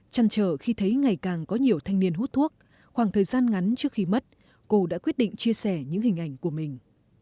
chăn trở khi thấy ngày càng có nhiều thanh niên hút thuốc khoảng thời gian ngắn trước khi mất cô đã quyết định chia sẻ những hình ảnh của mình